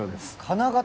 金型？